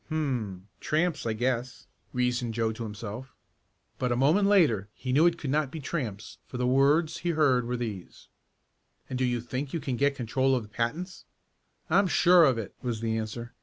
"Hum! Tramps I guess," reasoned Joe to himself. But a moment later he knew it could not be tramps for the words he heard were these: "And do you think you can get control of the patents?" "I'm sure of it," was the answer.